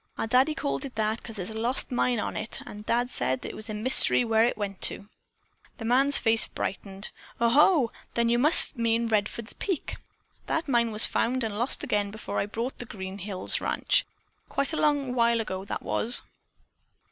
Our daddy called it that 'cause there's a lost mine on it and Dad said it was a mystery where it went to." The man's face brightened. "O ho! Then you must mean Redfords' Peak. That mine was found and lost again before I bought the Green Hills Ranch. Quite a long while ago that was."